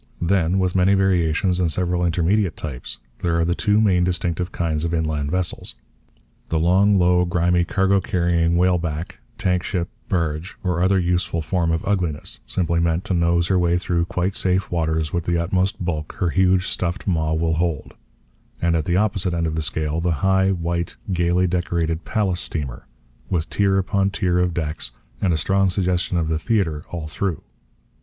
Then, with many variations and several intermediate types, there are the two main distinctive kinds of inland vessels: the long, low, grimy, cargo carrying whale back, tankship, barge, or other useful form of ugliness, simply meant to nose her way through quite safe waters with the utmost bulk her huge stuffed maw will hold; and, at the opposite end of the scale, the high, white, gaily decorated 'palace' steamer, with tier upon tier of decks, and a strong suggestion of the theatre all through.